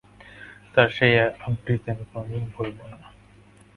তার সেই আবৃত্তি আমি কোনোদিন ভুলব না।